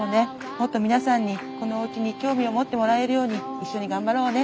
もっと皆さんにこのおうちに興味を持ってもらえるように一緒に頑張ろうね。